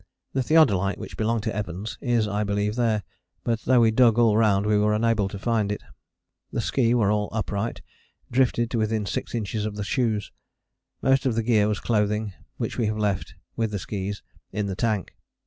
The theodolite, which belonged to Evans, is I believe there, but though we dug all round we were unable to find it. The ski were all upright, drifted to within six inches of the shoes. Most of the gear was clothing, which we have left, with the skis, in the tank.